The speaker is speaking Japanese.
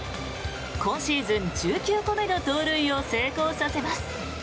今シーズン１９個目の盗塁を成功させます。